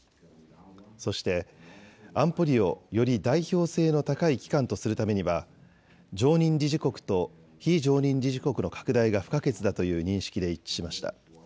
そして安保理をより代表性の高い機関とするためには常任理事国と非常任理事国の拡大が不可欠だという認識で一致しました。